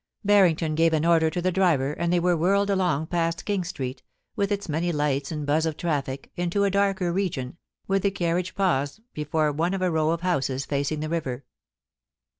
Barring ton gave an order to the driver, and they were whirled along past King Street, with its many lights and buzz of traflfc, into a darker region, where the carriage paused before one of a row of houses facing the river.